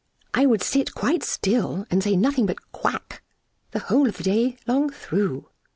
"I would sit quite still, and say nothing but 'Quack,' The whole of the long day through!